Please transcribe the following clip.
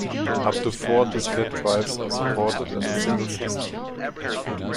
Up to four diskette drives are supported in a single system.